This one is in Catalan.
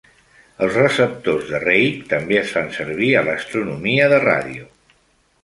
Els receptors de Rake també es fan servir a l'astronomia de ràdio.